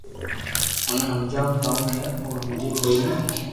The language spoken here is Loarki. اوني ھمجاوُ ڪاوُ او ھمجي ڪوئي ني